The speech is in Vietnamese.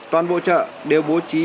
toàn bộ chợ đều bố trí